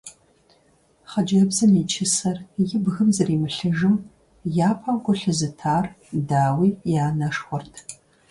Хъыджэбзым и чысэр и бгым зэримылъыжым япэу гу лъызытар, дауи, и анэшхуэрт.